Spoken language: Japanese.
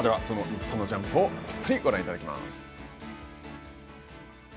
その日本のジャンプをたっぷりご覧いただきます。